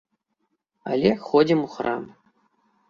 Але ходзім у храм.